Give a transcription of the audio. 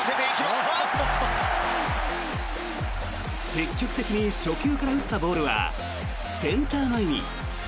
積極的に初球から打ったボールはセンター前に。